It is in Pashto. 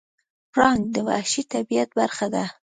پړانګ د وحشي طبیعت برخه ده.